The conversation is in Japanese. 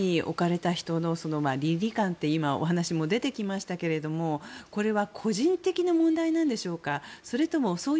こういう立場に置かれた人の倫理観というお話も今、出てきましたけどもこれは個人的な問題なんでしょうか。